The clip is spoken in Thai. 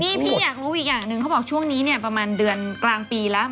นี่พี่อยากรู้อีกอย่างหนึ่งเขาบอกช่วงนี้เนี่ยประมาณเดือนกลางปีแล้ว